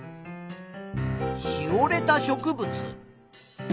しおれた植物。